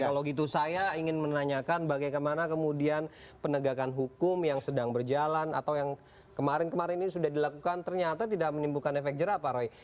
kalau gitu saya ingin menanyakan bagaimana kemudian penegakan hukum yang sedang berjalan atau yang kemarin kemarin ini sudah dilakukan ternyata tidak menimbulkan efek jerah pak roy